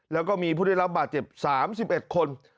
แล้วก็มีผู้ได้รับบาดเจ็บ๓๑คน